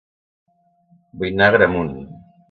Vull anar a Agramunt